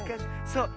そう。